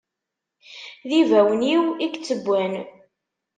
D ibawen-iw, i ittewwan!